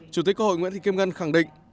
chủ tịch quốc hội nguyễn thị kim ngân khẳng định